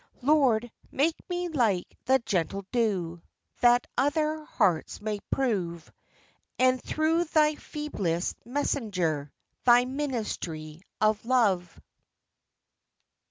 Lord, make me like the gentle dew, that other hearts may prove, E'en through Thy feeblest mesgenger, Thy ministry of love!